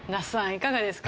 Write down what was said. いかがですか？